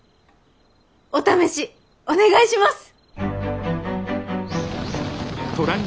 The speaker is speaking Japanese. お試しお願いします！